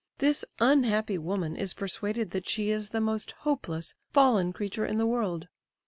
This unhappy woman is persuaded that she is the most hopeless, fallen creature in the world.